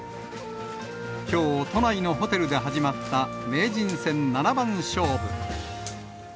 きょう、都内のホテルで始まった名人戦七番勝負。